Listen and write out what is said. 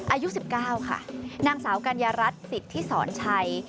อายุ๑๙ค่ะนางสาวกัญญารัฐสิทธิสรชัย